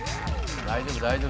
大丈夫大丈夫。